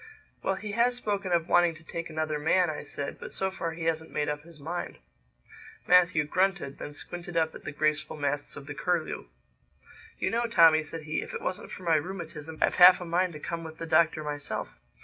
"Well, he has spoken of wanting to take another man," I said; "but so far he hasn't made up his mind." Matthew grunted; then squinted up at the graceful masts of the Curlew. "You know, Tommy," said he, "if it wasn't for my rheumatism I've half a mind to come with the Doctor myself.